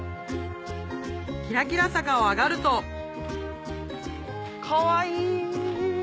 きらきら坂を上がるとかわいい。